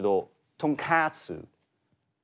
とんかつ。